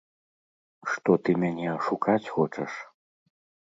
Што ты мяне ашукаць хочаш?